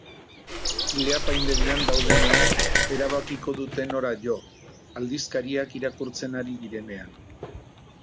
Ileapaindegian daudenean erabakiko dute nora jo, aldizkariak irakurtzen ari direnean.